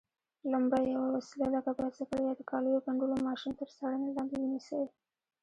لومړی: یوه وسیله لکه بایسکل یا د کالیو ګنډلو ماشین تر څارنې لاندې ونیسئ.